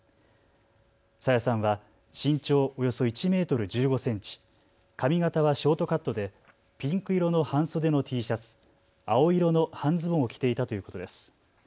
朝芽さんは身長およそ１メートル１５センチ、髪型はショートカットでピンク色の半袖のＴシャツ、青色の半ズボンを着ていたということです。